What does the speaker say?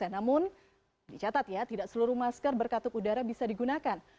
namun dicatat ya tidak seluruh masker berkatup udara bisa digunakan